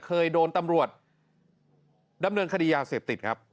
เคยโดนตำรวจดำเนินคดียาเสพติดครับ